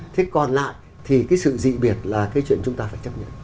thế còn lại thì cái sự dị biệt là cái chuyện chúng ta phải chấp nhận